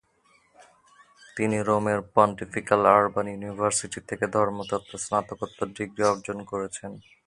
তিনি রোমের pontifical urban university থেকে ধর্মতত্ত্বে স্নাতকোত্তর ডিগ্রি অর্জন করেছেন।